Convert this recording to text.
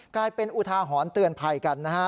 กลายเป็นอุทาหรณ์เตือนภัยกันนะฮะ